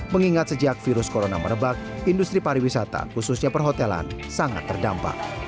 mengingat sejak virus corona merebak industri pariwisata khususnya perhotelan sangat terdampak